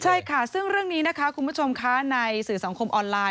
ใช่ค่ะซึ่งเรื่องนี้ครูมัชชมในสื่อสังคมออนไลน์